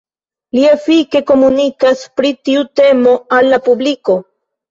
Li efike komunikas pri tiu temo al la publiko.